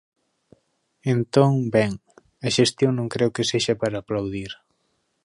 Entón, ben, a xestión non creo que sexa para aplaudir.